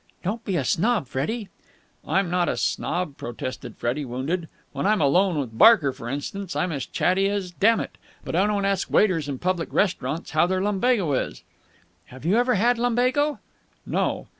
"Don't be a snob, Freddie." "I'm not a snob," protested Freddie, wounded. "When I'm alone with Barker for instance I'm as chatty as dammit. But I don't ask waiters in public restaurants how their lumbago is." "Have you ever had lumbago?" "No."